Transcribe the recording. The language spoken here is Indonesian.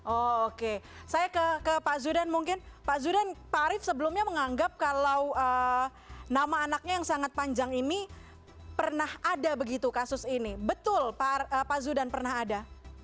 oke saya ke pak zudan mungkin pak zudan pak arief sebelumnya menganggap kalau nama anaknya yang sangat panjang ini pernah ada begitu kasus ini betul pak zudan pernah ada